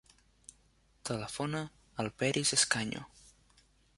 Telefona al Peris Escaño.